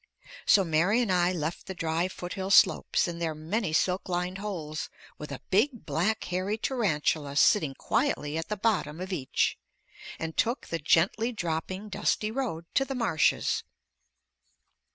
So Mary and I left the dry foothill slopes and their many silk lined holes with a big black hairy tarantula sitting quietly at the bottom of each, and took the gently dropping dusty road to the marshes.